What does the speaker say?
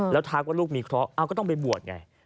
แล้วทักว่าลูกมีเคราะห์เอาก็ต้องไปบวชไง